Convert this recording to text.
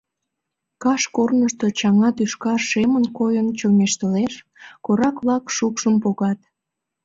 Каш корнышто чаҥа тӱшка шемын койын чоҥештылеш, корак-влак шукшым погат.